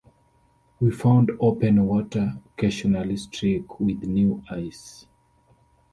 We found open water, occasionally streaked with new ice.